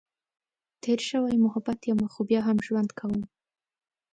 تېر شوی محبت یمه، خو بیا هم ژوند کؤم.